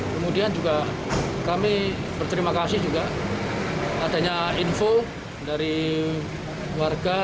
kemudian juga kami berterima kasih juga adanya info dari warga